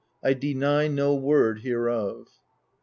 I deny no word hereof.